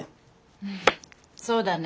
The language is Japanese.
うんそうだね。